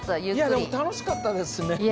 いやでも楽しかったですね。